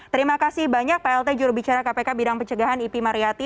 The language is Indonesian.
terima kasih banyak pak lt jurubicara kpk bidang pencegahan ipi mariati